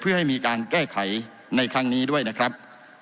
เพื่อให้มีการแก้ไขในครั้งนี้ด้วยนะครับ